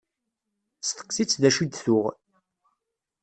Steqsi-tt d acu i d-tuɣ.